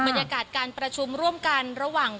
บรรยากาศการประชุมร่วมกันระหว่าง